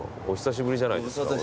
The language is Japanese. お久しぶりじゃないですか。